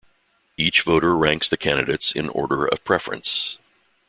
Each voter ranks the candidates in order of preference.